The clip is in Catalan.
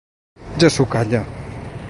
Ja s'ho calla.